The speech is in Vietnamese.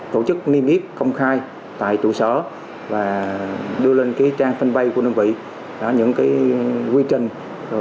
tổ chức niêm yết công khai tại trụ sở và đưa lên trang fanpage của đơn vị những quy trình